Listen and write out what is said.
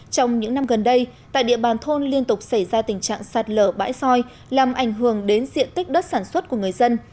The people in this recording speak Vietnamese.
trong những năm gần đây tại địa bàn thôn liên tục xảy ra tình trạng sạt lở bãi soi làm ảnh hưởng đến diện tích đất sản xuất của người dân